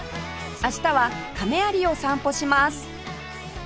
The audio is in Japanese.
明日は亀有を散歩します